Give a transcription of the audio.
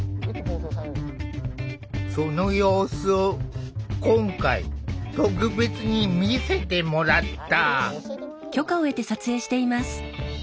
その様子を今回特別に見せてもらった。